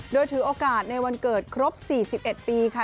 โดยถือโอกาสในวันเกิดครบ๔๑ปีค่ะ